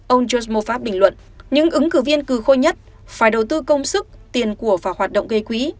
ông john moffat bình luận những ứng cử viên cư khôi nhất phải đầu tư công sức tiền của và hoạt động gây quỹ